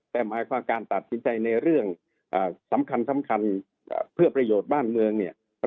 แต่หมายความการตัดสินใจในเรื่องสำคัญเพื่อประโยชน์บ้านเมืองเนี่ย